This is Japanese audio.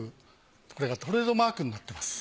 これがトレードマークになってます。